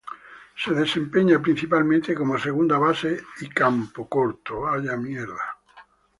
Se desempeña principalmente como segunda base y campocorto.